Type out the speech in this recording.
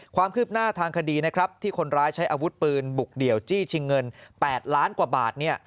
ความคืบหน้าทางคดีนะครับที่คนร้ายใช้อาวุธปืนบุกเดี่ยวจี้ชิงเงิน๘ล้านกว่าบาท